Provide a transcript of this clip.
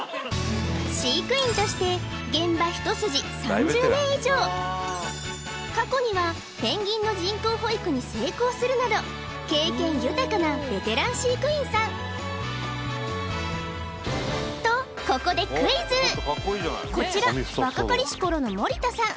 飼育員として過去にはペンギンの人工哺育に成功するなど経験豊かなベテラン飼育員さんとここでクイズこちら若かりし頃の盛田さん